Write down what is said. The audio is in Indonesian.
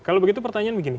kalau begitu pertanyaan begini